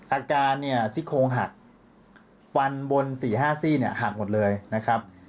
อาการเนี่ยซี่โครงหักฟันบน๔๕ซี่เนี่ยหักหมดเลยนะครับ